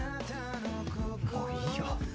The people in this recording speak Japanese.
もういいよ